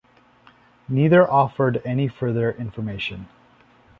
Neither offered any further information.